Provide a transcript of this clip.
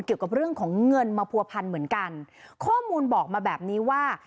เกี่ยวกับเรื่องของเงินมาผัวพันเหมือนกันข้อมูลบอกมาแบบนี้ว่า